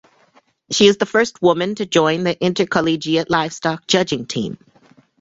She is the first woman to join the Intercollegiate Livestock Judging Team.